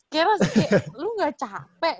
keras kayak lu gak capek